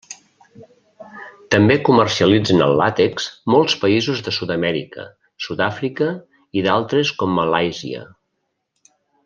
També comercialitzen el làtex molts països de Sud-amèrica, Sud-àfrica i d'altres com Malàisia.